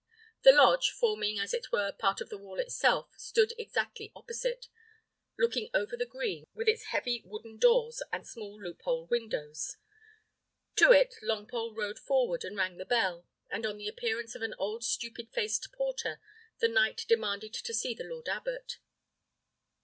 The lodge, forming, as it were, part of the wall itself, stood exactly opposite, looking over the green, with its heavy wooden doors and small loophole windows. To it Longpole rode forward, and rang the bell; and on the appearance of an old stupid faced porter, the knight demanded to see the lord abbot.